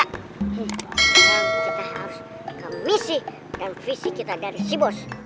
kita harus berikan misi dan visi kita dari si bos